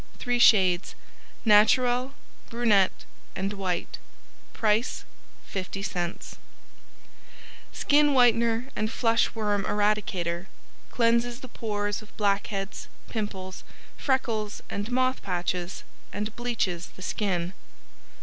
Three shades Naturelle, Brunette and White. Price 50c Skin Whitener and Flush Worm Eradicator Cleanses the pores of black heads, pimples, freckles and moth patches and bleaches the skin.